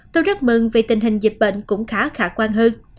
tôi rất mừng vì tình hình dịch bệnh cũng khá khả quan hơn